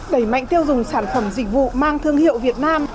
đẩy mạnh tiêu dùng sản phẩm dịch vụ mang thương hiệu việt nam